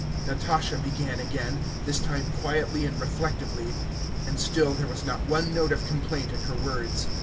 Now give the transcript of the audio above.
Natasha began again, this time quietly and reflectively, and still there was not one note of complaint in her words.